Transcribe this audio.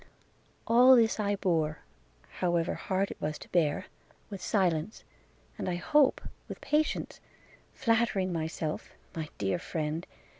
All this I bore, however hard it was to bear, with silence, and, I hope, with patience, flattering myself, my dear friend!